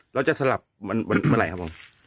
เราจะสลับวันเวลาครับผม